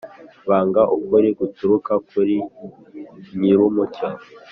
banga ukuri guturuka kuri nyir’umucyo